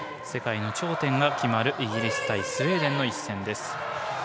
世界の頂点が決まるイギリス対スウェーデンの一戦です。